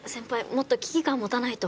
もっと危機感持たないと。